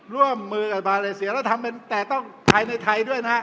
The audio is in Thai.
ร่วมมือกับมาเลเซียแล้วทำเป็นแต่ต้องภายในไทยด้วยนะฮะ